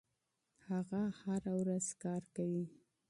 هغه هره ورځ کار کوي.